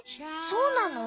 そうなの？